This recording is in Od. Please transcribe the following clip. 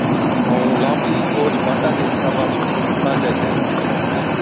ائُون لانٻِي اوھچ باڻا چي حصابا سُون ٺاهجَي ڇَي